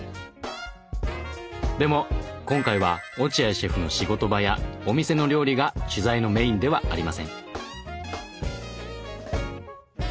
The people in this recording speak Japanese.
でも今回は落合シェフの仕事場やお店の料理が取材のメインではありません。